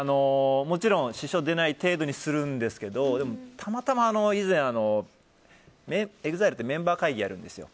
もちろん、支障が出ない程度にするんですがたまたま以前、ＥＸＩＬＥってメンバー会議があるんですよ。